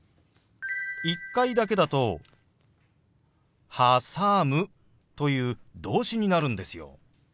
１回だけだと「はさむ」という動詞になるんですよ。